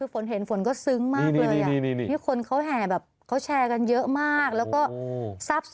ฝนเห็นฝนก็ซึ้งมากเลย